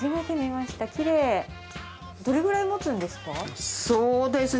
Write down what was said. どれくらいもつんですか？